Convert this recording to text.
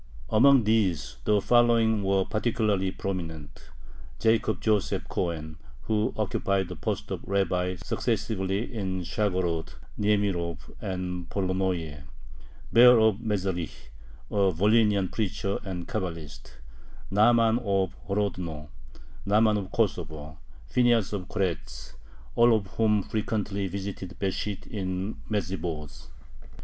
Among these the following were particularly prominent: Jacob Joseph Cohen, who occupied the post of rabbi successively in Shargorod, Niemirov, and Polonnoye; Baer of Mezherich, a Volhynian preacher and Cabalist; Nahman of Horodno, Nahman of Kosovo, Phineas of Koretz, all of whom frequently visited Besht in Medzhibozh.